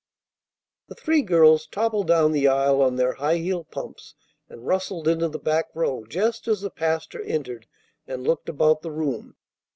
The three girls toppled down the aisle on their high heeled pumps, and rustled into the back row just as the pastor entered and looked about the room.